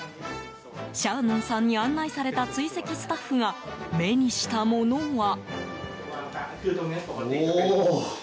シャーノンさんに案内された追跡スタッフが目にしたものは。